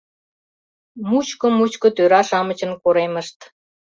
Мучко-мучко тӧра-шамычын коремышт.